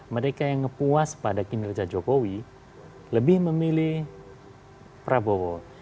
mereka yang puas pada kinerja jokowi lebih memilih prabowo